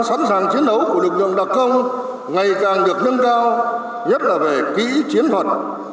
sẵn sàng chiến đấu của lực lượng đặc công ngày càng được nâng cao nhất là về kỹ chiến thuật